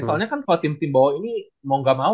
soalnya kan tim tim bawah ini mau ga mau